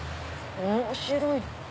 面白い。